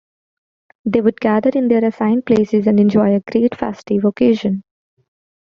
They would gather in their assigned places and enjoy a great festive occasion.